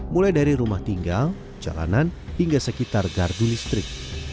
mulai dari rumah tinggal jalanan hingga sekitar gardu listrik